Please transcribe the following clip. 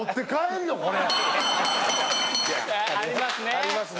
ありますね。